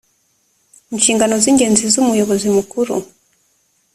inshingano z’ingenzi z’umuyobozi mukuru